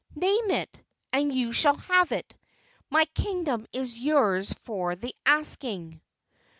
Name it, and you shall have it! My Kingdom is yours for the asking!"